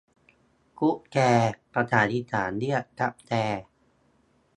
ตุ๊กแก ภาษาอีสานเรียกกับแก้